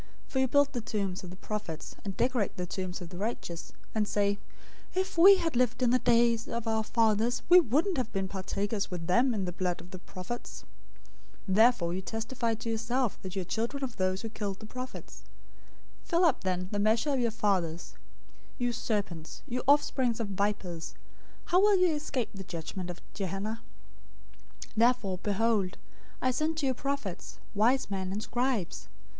For you build the tombs of the prophets, and decorate the tombs of the righteous, 023:030 and say, 'If we had lived in the days of our fathers, we wouldn't have been partakers with them in the blood of the prophets.' 023:031 Therefore you testify to yourselves that you are children of those who killed the prophets. 023:032 Fill up, then, the measure of your fathers. 023:033 You serpents, you offspring of vipers, how will you escape the judgment of Gehenna{or, Hell}? 023:034 Therefore, behold, I send to you prophets, wise men, and scribes.